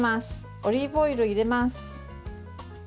オリーブオイル入れます。